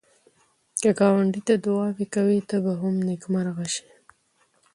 که ګاونډي ته دعایې کوې، ته به نېکمرغه شې